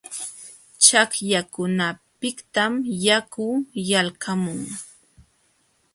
Chaqyakunapiqtam yaku yalqamun.